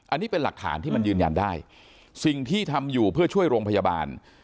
อันนี้เป็นหลักฐานที่มันยืนยันได้สิ่งที่ทำอยู่เพื่อช่วยโรงพยาบาล